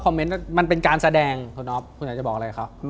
เมนต์มันเป็นการแสดงคุณอ๊อฟคุณอยากจะบอกอะไรครับ